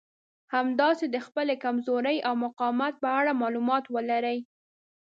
همداسې د خپلې کمزورۍ او مقاومت په اړه مالومات ولرئ.